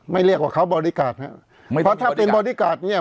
เรียกว่าเขาบริการครับเพราะถ้าเป็นบอดี้การ์ดเนี่ย